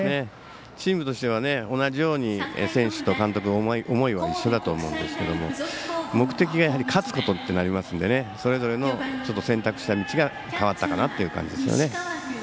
チームとしては同じように選手と監督の思いは一緒だと思いますけど目的が勝つこととなりますのでそれぞれの選択した道が変わったかなという感じです。